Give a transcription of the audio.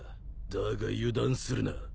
だが油断するな。